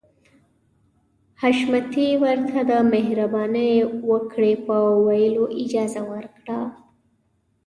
حشمتي ورته د مهرباني وکړئ په ويلو اجازه ورکړه.